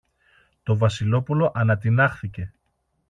Το Βασιλόπουλο ανατινάχθηκε.